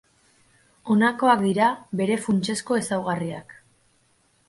Honakoak dira bere funtsezko ezaugarriak.